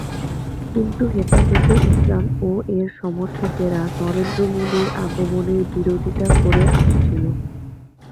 কিন্তু হেফাজতে ইসলাম ও এর সমর্থকেরা নরেন্দ্র মোদীর আগমনের বিরোধীতা করে আসছিল।